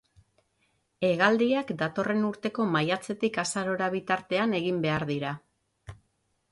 Hegaldiak datorren urteko maiatzetik azarora bitartean egin behar dira.